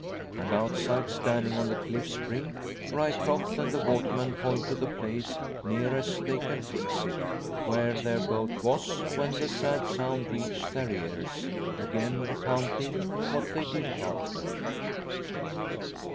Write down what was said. And outside, standing on the cliff's brink, Ryecroft and the waterman point to the place, near as they can fix it, where their boat was when the sad sound reached their ears, again recounting what they did after.